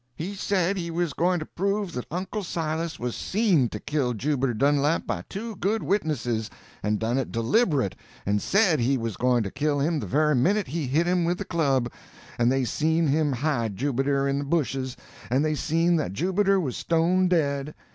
He said he was going to prove that Uncle Silas was seen to kill Jubiter Dunlap by two good witnesses, and done it deliberate, and said he was going to kill him the very minute he hit him with the club; and they seen him hide Jubiter in the bushes, and they seen that Jubiter was stone dead.